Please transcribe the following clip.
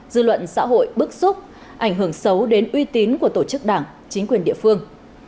dư luận xã hội bức xúc ảnh hưởng xấu đến uy tín của tổ chức đảng chính quyền địa phương